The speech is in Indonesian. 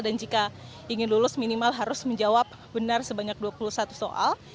dan jika ingin lulus minimal harus menjawab benar sebanyak dua puluh satu soal